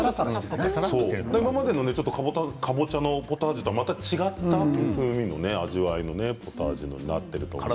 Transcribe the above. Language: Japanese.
今までのかぼちゃのポタージュとは違った風味の味わいのポタージュになっていると思います。